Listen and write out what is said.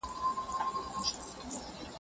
که په زده کړه کي مینه وي نو ستړیا نسته.